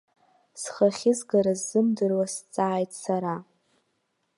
Схы ахьызгара сзымдыруа сҵааит сара.